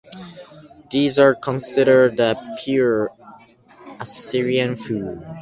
These are considered the "pure" Assyrian foods.